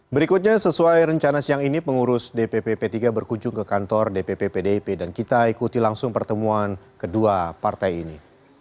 berikutnya sesuai rencana siang ini pengurus dpp p tiga berkunjung ke kantor dpp pdip dan kita ikuti langsung pertemuan kedua partai ini